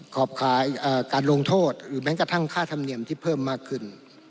ขอบขายการลงโทษหรือแม้กระทั่งค่าธรรมเนียมที่เพิ่มมากขึ้น